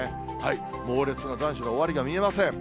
猛烈な残暑が終わりが見えません。